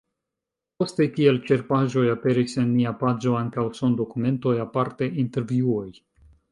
Poste kiel ĉerpaĵoj aperis en nia paĝo ankaŭ sondokumentoj, aparte intervjuoj.